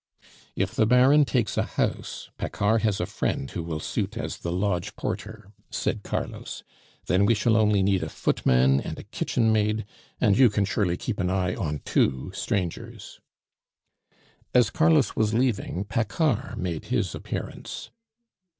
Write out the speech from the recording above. "If the Baron takes a house, Paccard has a friend who will suit as the lodge porter," said Carlos. "Then we shall only need a footman and a kitchen maid, and you can surely keep an eye on two strangers " As Carlos was leaving, Paccard made his appearance.